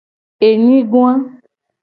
Enyigoa.